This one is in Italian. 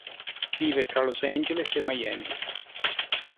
Vive tra Los Angeles e Miami.